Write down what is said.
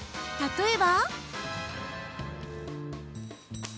例えば。